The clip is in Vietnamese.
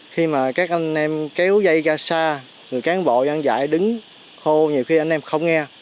khi mà các anh em kéo dây ra xa người cán bộ dăn giải đứng khô nhiều khi anh em không nghe